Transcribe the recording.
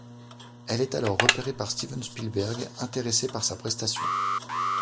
Elle est alors repérée par Steven Spielberg, intéressé par sa prestation.